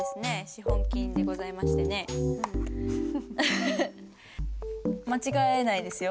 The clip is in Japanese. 資本金でございましてね間違えないですよ。